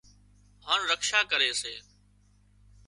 هانَ رکشا ڪري سي